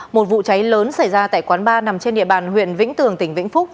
một vụ cháy lớn xảy ra tại quán ba nằm trên địa bàn huyện vĩnh tường tỉnh vĩnh phúc